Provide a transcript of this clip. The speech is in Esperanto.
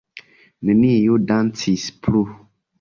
Neniu dancis plu.